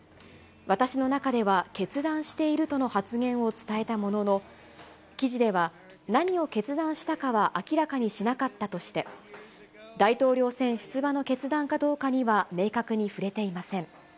私の中では決断しているとの発言を伝えたものの、記事では、何を決断したかは明らかにしなかったとして、大統領選出馬の決断かどうかには明確に触れていません。